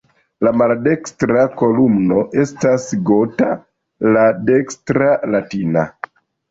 La maldekstra kolumno estas "gota", la dekstra "latina".